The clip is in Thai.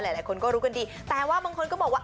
หลายคนก็รู้กันดีแต่ว่าบางคนก็บอกว่า